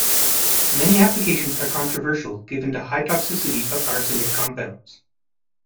Many applications are controversial given the high toxicity of arsenic compounds.